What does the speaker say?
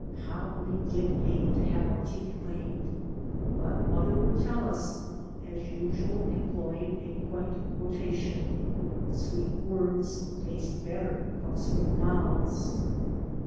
How we did hate to have our teeth cleaned I But mother would tell us, as usual employing a quaint quotation, " Sweet words taste better from sweet mouths."